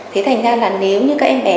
thế thành ra là nếu như các em bé